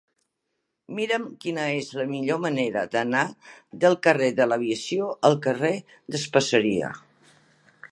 Mira'm quina és la millor manera d'anar del carrer de l'Aviació al carrer d'Espaseria.